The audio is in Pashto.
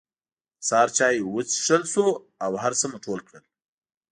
د سهار چای وڅکل شو او هر څه مو ټول کړل.